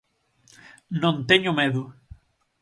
"Non teño medo".